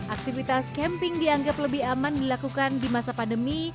aktivitas camping dianggap lebih aman dilakukan di masa pandemi